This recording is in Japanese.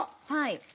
はい。